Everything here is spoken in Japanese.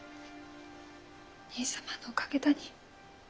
兄さまのおかげだに。